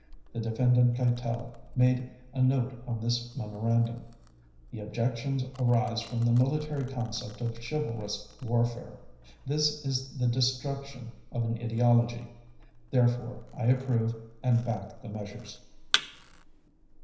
The Defendant Keitel made a note on this memorandum: "The objections arise from the military concept of chivalrous warfare. This is the destruction of an ideology. Therefore I approve and back the measures."